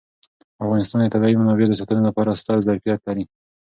افغانستان د طبیعي منابعو د ساتنې لپاره ستر ظرفیت لري.